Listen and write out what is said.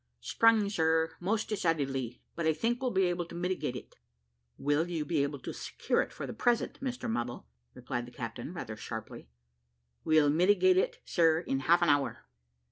"Sprung, sir, most decidedly; but I think we'll be able to mitigate it." "Will you be able to secure it for the present, Mr Muddle?" replied the captain rather sharply. "We'll mitigate it, sir, in half an hour."